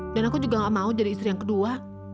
dan aku juga nggak mau jadi istri yang kedua